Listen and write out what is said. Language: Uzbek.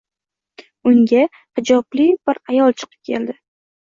Unga hijobli bir ayol chiqib keldi.